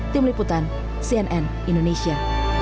tim liputan cnn indonesia